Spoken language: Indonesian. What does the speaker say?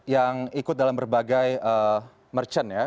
yang ikut dalam berbagai merchant ya